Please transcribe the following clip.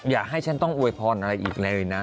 อย่าให้ฉันต้องอวยพรอะไรอีกเลยนะ